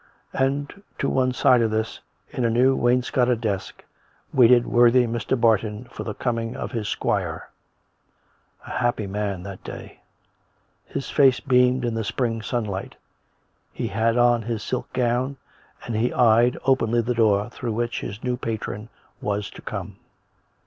And to one side of this, in a new wainscoted desk, waited worthy Mr. Barton for the coming of his squire — a happy man that day; his face beamed in the spring sunlight; he had on his silk gown, and he eyed, openly, the door through which his new patron was to come.